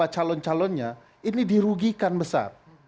calon calonnya ini dirugikan besar